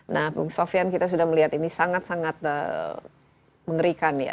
nah bung sofian kita sudah melihat ini sangat sangat mengerikan ya